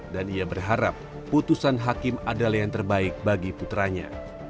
dan ia berharap putusan hakim adalah yang terbaik bagi putranya